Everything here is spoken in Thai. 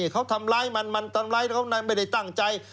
เขาทำร้ายมันแล้วไม่ได้ตั้งใจ